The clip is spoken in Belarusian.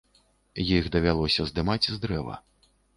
Іх давялося здымаць з дрэва.